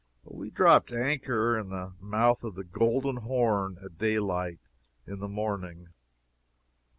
We dropped anchor in the mouth of the Golden Horn at daylight in the morning.